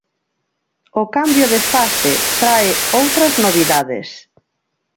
O cambio de fase trae outras novidades.